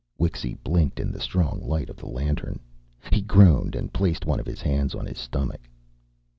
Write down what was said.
Wixy blinked in the strong light of the lantern. He groaned and placed one of his hands on his stomach.